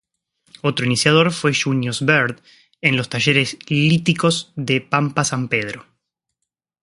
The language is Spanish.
Otro iniciador fue Junius Bird, en los talleres líticos de Pampa San Pedro.